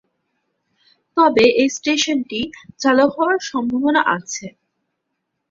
তবে এ স্টেশনটি চালু হওয়ার সম্ভাবনা আছে।